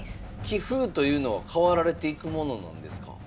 棋風というのは変わられていくものなんですか？